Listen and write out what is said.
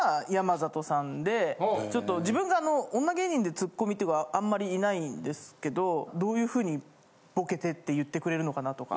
ちょっと自分があの女芸人でツッコミはあんまりいないんですけどどういうふうにボケてって言ってくれるのかなとか。